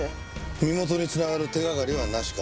身元に繋がる手掛かりはなしか。